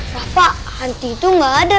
rafa hantu itu gak ada rafa